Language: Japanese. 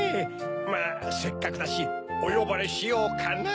まぁせっかくだしおよばれしようかな。